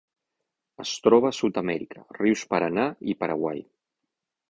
Es troba a Sud-amèrica: rius Paranà i Paraguai.